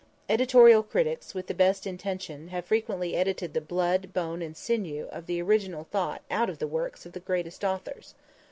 Editorial critics, with the best intention, have frequently edited the blood, bone and sinews of the original thought out of the works of the greatest authors.